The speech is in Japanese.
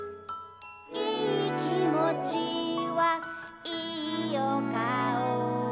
「いきもちはいおかお」